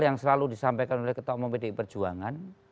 yang selalu disampaikan oleh ketua umum pdi perjuangan